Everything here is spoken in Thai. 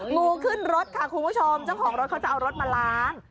งูขึ้นรถค่ะคุณผู้ชมเจ้าของรถเขาจะเอารถมาล้าง